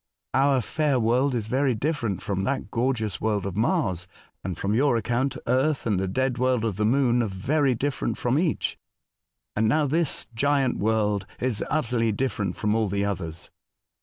Our fair world is very different from that gorgeous world of Mars ; and, from your account, Earth, and the dead world of the Moon are very different from each ; and now this giant world is utterly different from all the others."